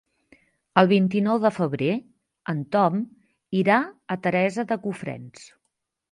El vint-i-nou de febrer en Tom irà a Teresa de Cofrents.